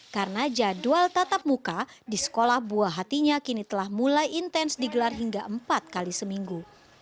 karena jadwal tatap muka di sekolah buah hatinya kini telah mulai intens digelar hingga empat kali seminggu